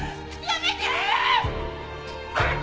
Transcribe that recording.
やめて！